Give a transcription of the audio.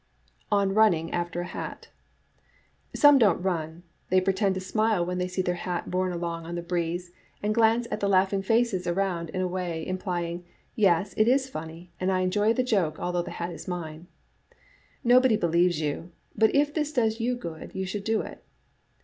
On Running after a Hat —Some don't run. They pre tend to smile when they see their hat borne along on the breeze, and glance at the laughing faces around in a way implying, " Yes, it is funny, and I enjoy the joke although the hat is mine. " Nobody believes you, but if this does you good you should do it.